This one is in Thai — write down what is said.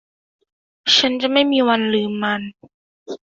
ฉันจะไม่มีวันลืมมัน